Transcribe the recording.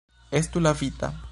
Estu lavita.